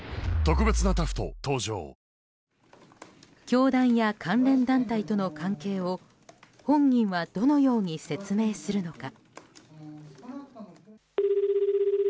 教団や関連団体との関係を本人はどのように説明するのか。